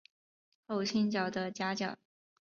后倾角的夹角。